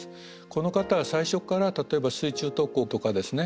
この方は最初から例えば水中特攻とかですね